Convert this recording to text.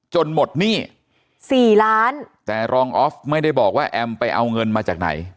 หมดหนี้สี่ล้านแต่รองออฟไม่ได้บอกว่าแอมไปเอาเงินมาจากไหน